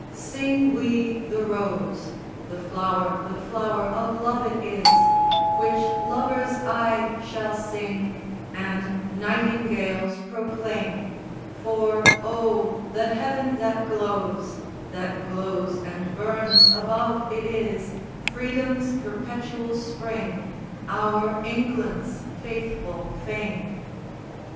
Sing we the Rose, The flower, the flower of love it is, Which lovers aye shall sing And nightingales proclaim; For O, the heaven that glows, That glows and burns above it is Freedom's perpetual Spring, Our England's faithful fame.